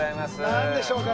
なんでしょうか？